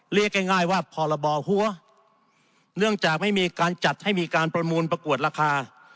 เรียกง่ายง่ายว่าพรบหัวเนื่องจากไม่มีการจัดให้มีการประมูลประกวดราคา